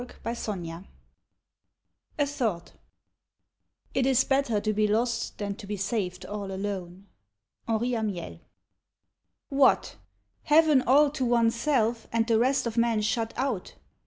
60 A THOUGHT A THOUGHT " It is better to be lost than to be saved all alone." HENRI AMIEL. WHAT ! heaven all to one's self and the rest of men shut out